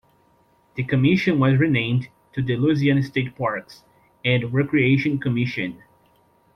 The commission was renamed to the Louisiana State Parks and Recreation Commission.